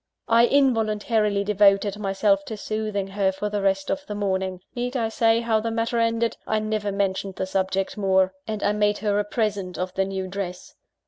I involuntarily devoted myself to soothing her for the rest of the morning. Need I say how the matter ended? I never mentioned the subject more; and I made her a present of the new dress.